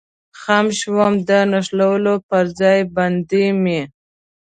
خم شوم، د نښلولو پر ځای باندې مې.